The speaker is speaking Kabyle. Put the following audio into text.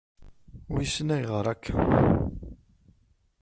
Wissen ayɣeṛ akka.